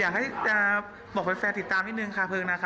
อยากให้บอกเพื่อนติดตามอีกนึงค่ะเพลิงนะคะ